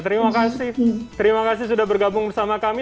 terima kasih terima kasih sudah bergabung bersama kami